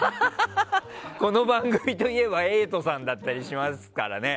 この番組といえば瑛人さんだったりしますからね。